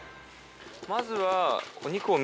まずは。